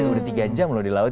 udah tiga jam loh di laut